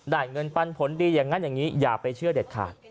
เงินปันผลดีอย่างนั้นอย่างนี้อย่าไปเชื่อเด็ดขาด